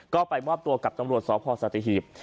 ก็ไปมอบตัวกับตำรวจสพสัตหีบ